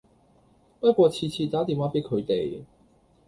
不過次次打電話俾佢哋